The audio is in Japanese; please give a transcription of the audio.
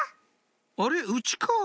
「あれうちか？」